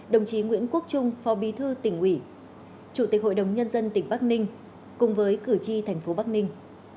đồng chí nguyễn quốc trung phó bí thư tỉnh ủy chủ tịch hội đồng nhân dân tỉnh bắc ninh cùng với cử tri thành phố bắc ninh